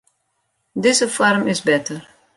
Dizze foarm is better.